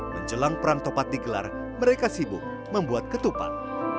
menjelang perang topat digelar mereka sibuk membuat ketupat